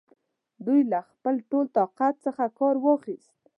دوی له خپل ټول طاقت څخه کار واخیست.